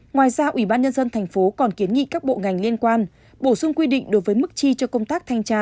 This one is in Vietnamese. ngoài ra ubnd tp hcm còn kiến nghị các bộ ngành liên quan bổ sung quy định đối với mức chi cho công tác thanh tra